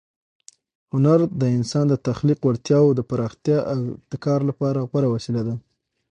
هنر د انسان د تخلیق وړتیاوو د پراختیا او ابتکار لپاره غوره وسیله ده.